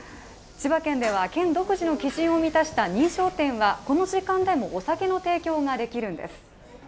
千葉県では県独自の基準を満たした認証店は、この時間でもお酒の提供ができるんです。